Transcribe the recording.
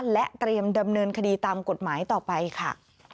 และเตรียมดำเนินคดีตามกฎหมายต่อไปค่ะ